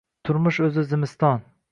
Turmush o’zi — zimiston.